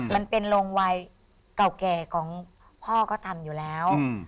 มันเป็นโรงวัยเก่าแก่ของพ่อก็ทำอยู่แล้ว